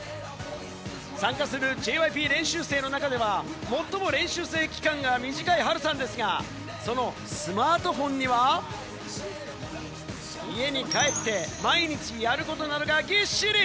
参加するＪＹＰ練習生の中では最も練習生期間が短いハルさんですが、そのスマートフォンには、家に帰って毎日やることなどが、ぎっしり！